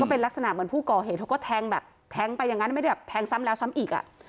เป็นลักษณะเหมือนผู้ก่อเหตุเขาก็แทงแบบแทงไปอย่างนั้นไม่ได้แบบแทงซ้ำแล้วซ้ำอีกอ่ะ